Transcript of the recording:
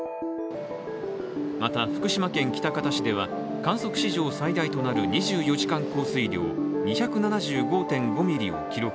また、福島県喜多方市では観測史上最大となる２４時間降水量２７５．５ミリを記録。